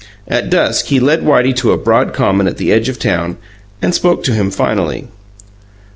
At dusk he led Whitey to a broad common at the edge of town, and spoke to him finally.